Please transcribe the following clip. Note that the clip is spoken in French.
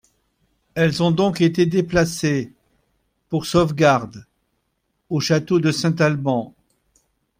Elles ont donc été déplacées, pour sauvegarde, au château de Saint-Alban.